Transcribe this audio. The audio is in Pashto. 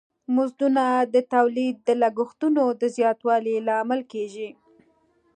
مزدونه د تولید د لګښتونو د زیاتوالی لامل کیږی.